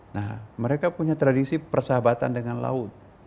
nah mereka punya tradisi persahabatan dengan laut